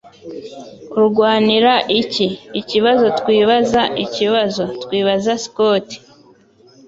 Urwanira iki ikibazo twibazaikibazo twibaza (Scott)